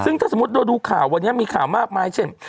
ซึ่งถ้าสมมุติเราดูข่าววันนี้มีข่าวมากมายเช่น